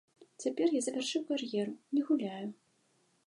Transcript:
Цяпер я завяршыў кар'еру, не гуляю.